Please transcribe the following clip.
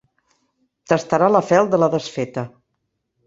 Tastarà la fel de la desfeta.